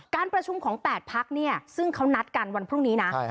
การประชุมของ๘พักเนี่ยซึ่งเขานัดกันวันพรุ่งนี้นะ